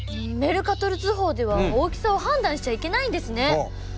メルカトル図法では大きさを判断しちゃいけないんですね。